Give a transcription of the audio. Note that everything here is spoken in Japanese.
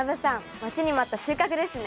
待ちに待った収穫ですね。